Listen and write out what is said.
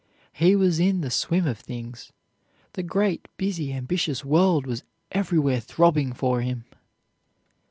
He was in the swim of things. The great, busy, ambitious world was everywhere throbbing for him.